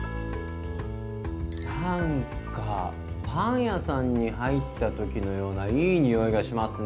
なんかパン屋さんに入った時のようないい匂いがしますね。